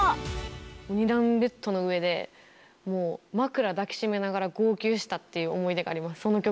２段ベッドの上で、もう枕抱きしめながら号泣したっていう思い出があります。